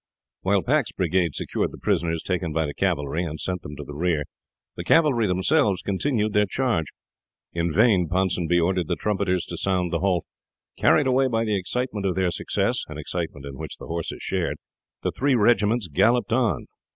While Pack's brigade secured the prisoners taken by the cavalry and sent them to the rear, the cavalry themselves continued their charge. In vain Ponsonby ordered the trumpeters to sound the halt. Carried away by the excitement of their success an excitement in which the horses shared the three regiments galloped on.